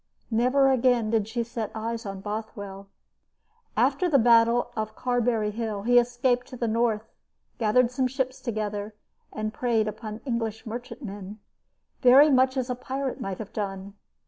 Never again did she set eyes on Bothwell. After the battle of Carberry Hill he escaped to the north, gathered some ships together, and preyed upon English merchantmen, very much as a pirate might have done.